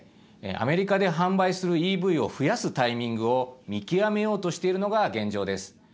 アメリカで販売するＥＶを増やすタイミングを見極めようとしているのが現状です。